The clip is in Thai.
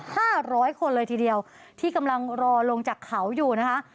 ห้าร้อยคนเลยทีเดียวที่กำลังรอลงจากเขาอยู่นะคะ